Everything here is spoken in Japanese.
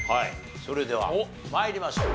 それでは参りましょう。